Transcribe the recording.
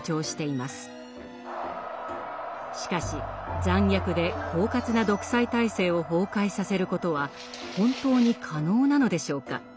しかし残虐で狡猾な独裁体制を崩壊させることは本当に可能なのでしょうか？